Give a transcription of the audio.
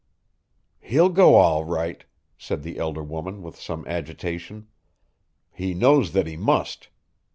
"He'll go all right," said the elder woman with some agitation. "He knows that he must.